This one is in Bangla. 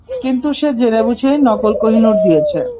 কিন্তু সে জেনে বুঝেই নকল কোহিনূর দিয়েছে।